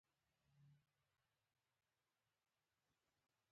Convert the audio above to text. هغه هېوادونه چې سوداګریزه موازنه یې منفي وي